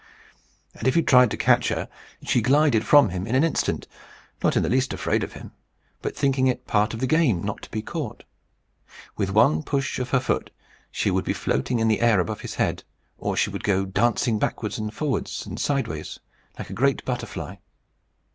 And if he tried to catch her, she glided from him in an instant, not in the least afraid of him, but thinking it part of the game not to be caught. With one push of her foot, she would be floating in the air above his head; or she would go dancing backwards and forwards and sideways, like a great butterfly.